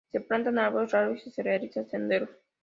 Se plantan árboles raros y se realizan senderos.